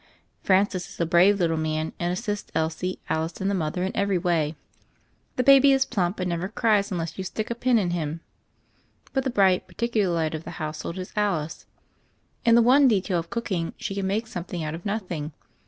Francis is a brave little man, and assists Elsie, Alice, and the mother in every way. The baby is plump and never cries unless THE FAIRY OF THE SNOWS 199 you stick a pin in him. But the bright, par ticular light of the household is Alice. In the one detail of cooking, she can make something out of nothing.